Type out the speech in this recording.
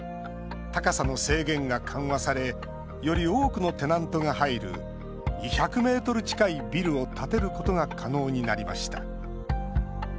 高さの制限が緩和されより多くのテナントが入る２００ｍ近いビルを建てることが可能になりました。